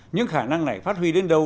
những khả năng này phát huy đến đâu